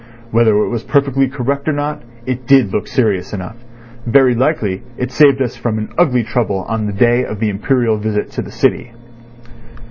Whether it was perfectly correct or not, it did look serious enough. Very likely it saved us from an ugly trouble on the day of the Imperial visit to the City.